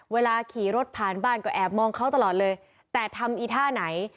เวลาขี่รถผ่านบ้านก็แอบมองเขาตลอดเลยแต่ทำอีท่าไหน